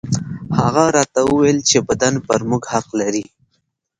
هغه راته وويل چې بدن پر موږ حق لري.